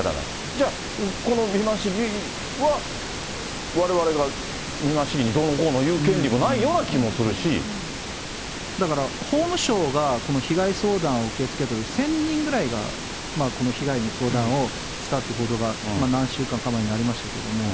じゃあ、この美馬市議はわれわれが美馬市議にどうのこうの言う権利もないだから、法務省がこの被害相談を受け付けたとき、１０００人ぐらいが、この被害の相談をしたっていう報道が、何週間か前にありましたけれども。